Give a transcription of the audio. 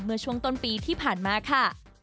เมื่อช่วงต้นปีที่ผ่านมาค่ะ